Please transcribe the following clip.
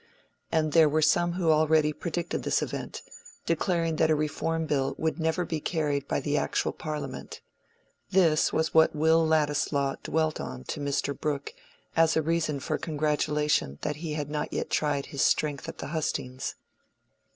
And there were some who already predicted this event, declaring that a Reform Bill would never be carried by the actual Parliament. This was what Will Ladislaw dwelt on to Mr. Brooke as a reason for congratulation that he had not yet tried his strength at the hustings.